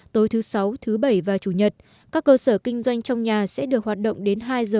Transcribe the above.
tối thứ sáu thứ bảy và chủ nhật các cơ sở kinh doanh trong nhà sẽ được hoạt động đến hai h